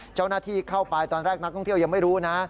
เจ้าหน้าที่เข้าไปตอนแรกนักท่องเที่ยวยังไม่รู้นะ